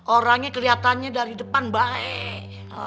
orangnya kelihatannya dari depan baik